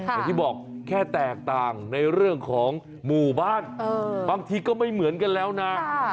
อย่างที่บอกแค่แตกต่างในเรื่องของหมู่บ้านบางทีก็ไม่เหมือนกันแล้วนะ